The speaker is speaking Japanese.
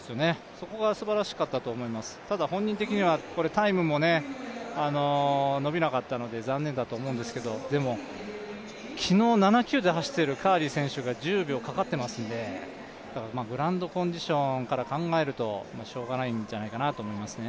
そこがすばらしかったと思います、ただ本人的にはタイムも伸びなかったので残念だと思うんですけどでも、昨日７９で走っているカーリー選手が１０秒かかってますので、グラウンドコンディションから考えるとしょうがないんじゃないかと思いますね。